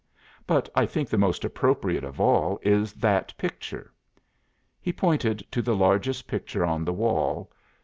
But I think the most appropriate of all is that picture." He pointed to the largest picture on the wall.